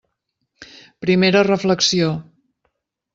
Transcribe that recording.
Primera reflexió.